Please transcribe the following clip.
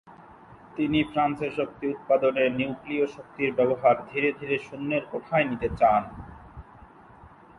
তিনি ফ্রান্সে শক্তি উৎপাদনে নিউক্লীয় শক্তির ব্যবহার ধীরে ধীরে শূন্যের কোঠায় নিতে চান।